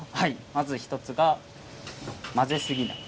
まず１つが混ぜすぎない。